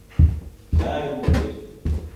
کارم دەکرد.